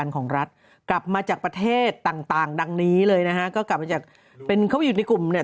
ของรัฐกลับมาจากประเทศต่างต่างดังนี้เลยนะฮะก็กลับมาจากเป็นเขาอยู่ในกลุ่มเนี่ย